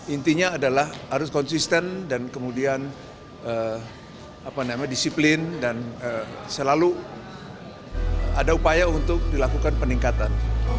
intinya adalah harus konsisten dan kemudian disiplin dan selalu ada upaya untuk dilakukan peningkatan